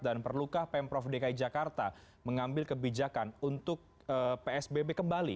dan perlukah pemprov dki jakarta mengambil kebijakan untuk psbb kembali